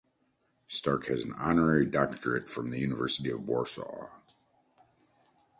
Stark has an honorary doctorate from the University of Warsaw.